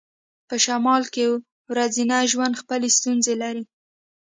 په شمال کې ورځنی ژوند خپلې ستونزې لري